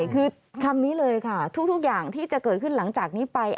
คือคำนี้เลยค่ะทุกอย่างที่จะเกิดขึ้นหลังจากนี้ไป